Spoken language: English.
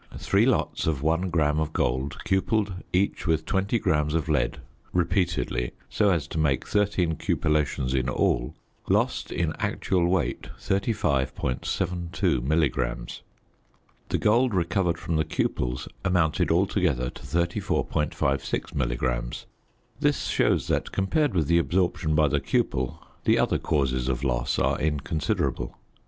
Three lots of 1 gram of gold cupelled each with 20 grams of lead repeatedly, so as to make 13 cupellations in all, lost in actual weight 35.72 milligrams. The gold recovered from the cupels amounted altogether to 34.56 milligrams. This shows that, compared with the absorption by the cupel, the other causes of loss are inconsiderable.